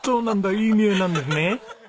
いい匂いなんですね。